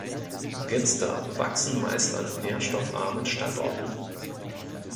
Ginster wachsen meist an nährstoffarmen Standorten.